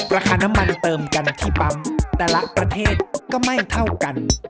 ราคาน้ำมันเติมกันที่ปั๊มแต่ละประเทศก็ไม่เท่ากัน